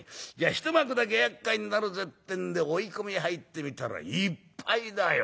一幕だけやっかいになるぜってんで追い込みへ入ってみたらいっぱいだよ。